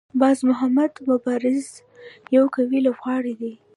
باز محمد مبارز یو قوي لوبغاړی دی.